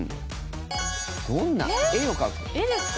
絵ですか。